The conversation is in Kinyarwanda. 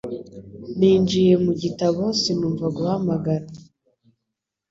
Ninjiye mu gitabo sinumva guhamagara.